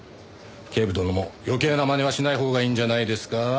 警部殿も余計なまねはしないほうがいいんじゃないですか？